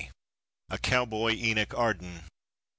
A COWBOY ENOCH ARDEN.